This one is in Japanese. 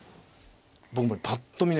僕もねぱっと見ね